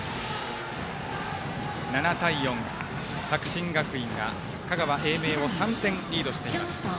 ７対４、作新学院が香川・英明を３点リードしています。